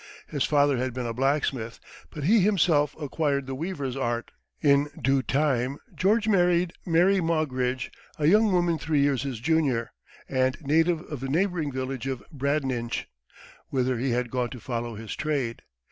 His father had been a blacksmith; but he himself acquired the weaver's art. In due time George married Mary Maugridge, a young woman three years his junior, and native of the neighboring village of Bradninch, whither he had gone to follow his trade.